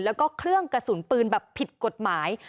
แล้วก็เครื่องกระสุนปืนแบบผิดกฎหมาย